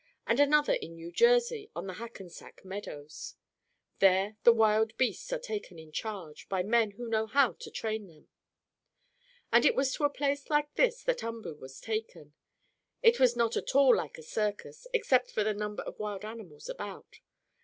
and another in New Jersey, on the Hackensack meadows. There the wild beasts are taken in charge, by men who know how to train them. And it was to a place like this that Umboo was taken. It was not at all like a circus, except for the number of wild animals about.